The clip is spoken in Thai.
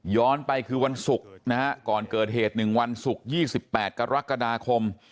ไปคือวันศุกร์นะฮะก่อนเกิดเหตุ๑วันศุกร์๒๘กรกฎาคม